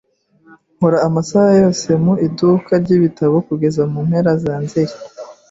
Nkora amasaha yose mu iduka ryibitabo kugeza mu mpera za Nzeri.